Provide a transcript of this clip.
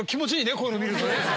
こういうの見ると。